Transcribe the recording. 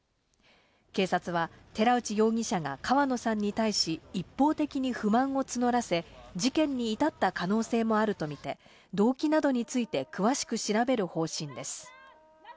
警察は寺内容疑者が川野さんに対し、一方的に不満を募らせ事件に至った可能性もあるとみて動機などについて詳しく調べる方針です。